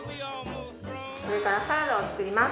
これからサラダを作ります。